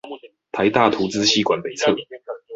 臺大圖資系館北側